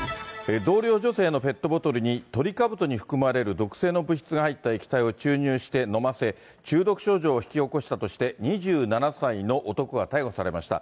同僚女性のペットボトルに、トリカブトに含まれる毒性の物質が入った液体を注入して飲ませ、中毒症状を引き起こしたとして２７歳の男が逮捕されました。